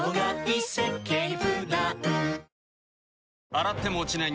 洗っても落ちない